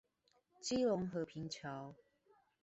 基隆和平橋